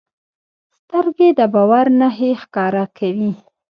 سترګې د باور نښې ښکاره کوي